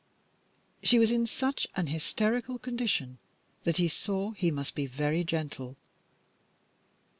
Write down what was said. She was in such a hysterical condition that he saw he must be very gentle.